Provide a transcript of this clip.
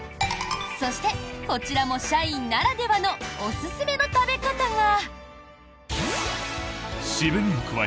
そして、こちらも社員ならではのおすすめの食べ方が。